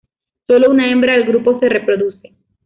Sólo una hembra del grupo se reproduce.